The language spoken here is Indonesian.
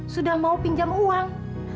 sudah mau pinjam uang